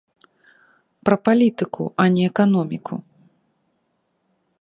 Пра палітыку, а не эканоміку!